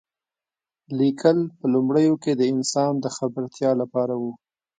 لیکل په لومړیو کې د انسان د خبرتیا لپاره و.